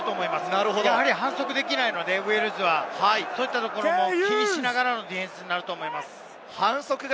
ウェールズは反則できないので、そういったところも気にしながらのディフェンスになると思います。